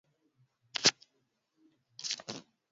mama anaweza piya ku pistule ku ma election provincial ata